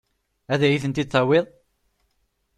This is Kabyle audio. Ad iyi-ten-id-tawiḍ?